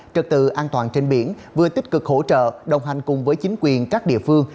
trật tự an toàn trên biển vừa tích cực hỗ trợ đồng hành cùng với chính quyền các địa phương